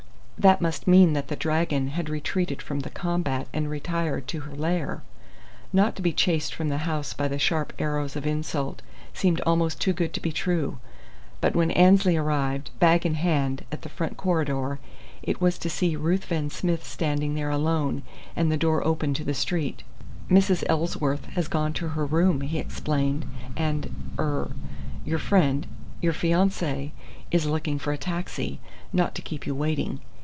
That must mean that the dragon had retreated from the combat and retired to her lair! Not to be chased from the house by the sharp arrows of insult seemed almost too good to be true. But when Annesley arrived, bag in hand, in the front corridor, it was to see Ruthven Smith standing there alone, and the door open to the street. "Mrs. Ellsworth has gone to her room," he explained, "and er your friend your fiancé is looking for a taxi, not to keep you waiting.